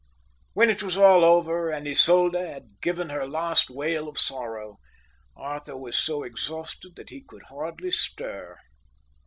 When it was all over and Isolde had given her last wail of sorrow, Arthur was so exhausted that he could hardly stir.